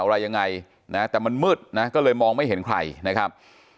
อะไรยังไงนะแต่มันมืดนะก็เลยมองไม่เห็นใครนะครับ